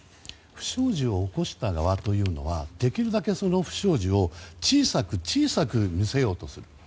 不祥事を起こした側というのはできるだけ、その不祥事を小さく小さく見せようとする。